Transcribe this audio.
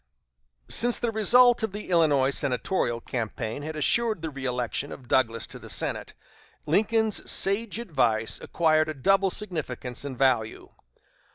Since the result of the Illinois senatorial campaign had assured the reëlection of Douglas to the Senate, Lincoln's sage advice acquired a double significance and value.